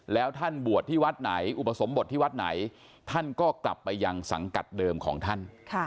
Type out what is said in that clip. แล้วอุปสมบทที่วัดไหนท่านก็กลับไปยังษังกัดเดิมของท่าน